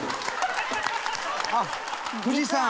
あっ藤さん？